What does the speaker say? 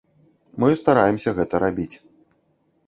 Мы стараемся гэта рабіць.